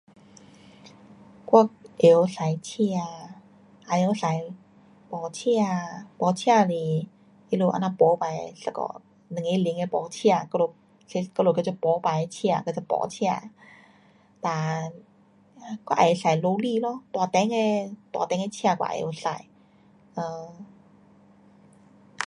我会晓驾车，也会晓驾爬车，爬车是他们这样爬起一架两个轮的爬车。我们坐，我们叫这爬起的车叫爬车。哒，我也会晓驾 lorry 咯，大辆的，大辆的车我也会晓驾。呃